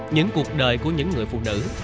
những cuộc đời của những người phụ nữ